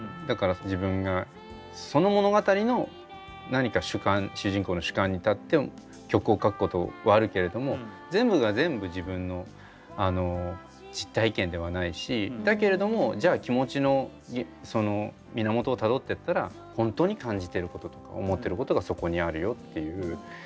だから自分がその物語の何か主観主人公の主観に立って曲を書くことはあるけれども全部が全部自分の実体験ではないしだけれどもじゃあ気持ちの源をたどってったらホントに感じてることとか思ってることがそこにあるよっていう。